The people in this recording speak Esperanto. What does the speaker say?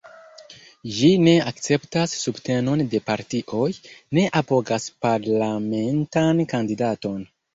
Ĝi ne akceptas subtenon de partioj, ne apogas parlamentan kandidaton.